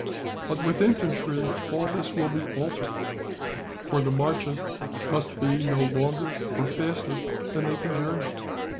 But with infantry all this will be altered, for the marches must be no longer or faster than they can journey.